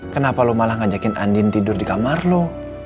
kenapa lo malah ngajakin andin tidur di kamar lo